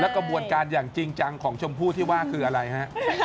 กระบวนการอย่างจริงจังของชมพู่ที่ว่าคืออะไรฮะ